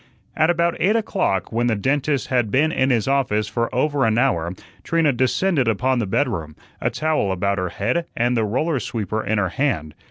At about eight o'clock, when the dentist had been in his office for over an hour, Trina descended upon the bedroom, a towel about her head and the roller sweeper in her hand.